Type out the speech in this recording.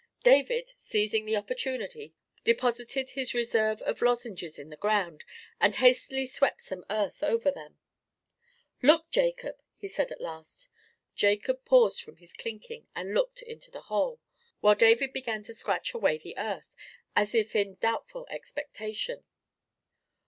David, seizing the opportunity, deposited his reserve of lozenges in the ground and hastily swept some earth over them. "Look, Jacob!" he said, at last. Jacob paused from his clinking, and looked into the hole, while David began to scratch away the earth, as if in doubtful expectation.